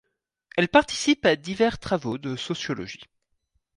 Elle participe à divers travaux de sociologie.